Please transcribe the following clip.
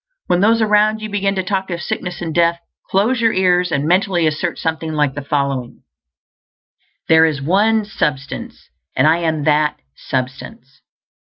When those around you begin to talk of sickness and death, close your ears and mentally assert something like the following: _There is One Substance, and I am that Substance.